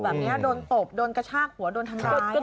แบบนี้โดนตบโดนกระชากหัวโดนทำร้าย